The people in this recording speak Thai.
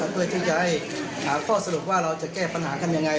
เพื่อที่จะให้หาข้อสรุปว่าเราจะแก้ปัญหากันยังไง